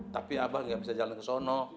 tapi abah gak bisa jalan kesana